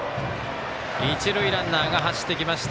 一塁ランナーが走っていきました。